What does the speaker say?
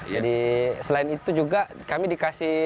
jadi selain itu juga kami dikasih